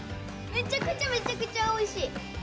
めちゃくちゃめちゃくちゃおいしい！